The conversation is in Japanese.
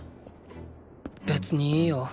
別にいいよ。